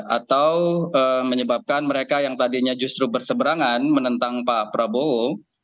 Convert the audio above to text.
atau menyebabkan mereka yang tadinya justru berseberangan menentang pak prabowo